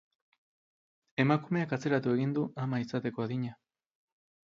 Emakumeak atzeratu egin du ama izateko adina.